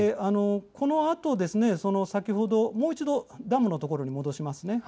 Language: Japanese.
このあとですね、先ほど、もう一度、ダムの所に戻しますね。